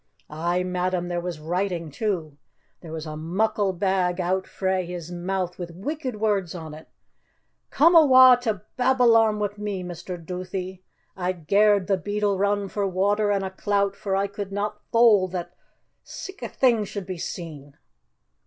Ay, madam, there was writing too. There was a muckle bag out frae his mou' wi' wicked words on it! 'Come awa' to Babylon wi' me, Mr. Duthie.' I gar'd the beadle run for water and a clout, for I could not thole that sic' a thing should be seen."